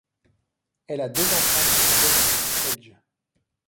Elle a deux enfants avec The Edge.